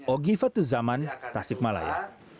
ogiva tu zaman tasik malaya